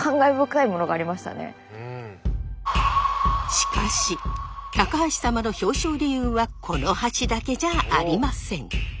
しかし高橋様の表彰理由はこの橋だけじゃありません！